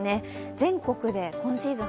全国で今シーズン